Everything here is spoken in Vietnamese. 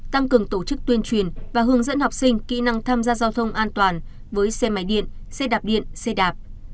tăng cường tổ chức tuyên truyền và hướng dẫn học sinh kỹ năng tham gia giao thông an toàn với xe máy điện xe đạp điện xe đạp